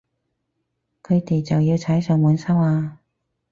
佢哋就要踩上門收啊